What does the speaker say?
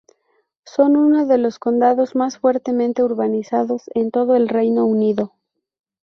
Son uno de los condados más fuertemente urbanizados en todo el Reino Unido.